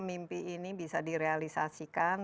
mimpi ini bisa direalisasikan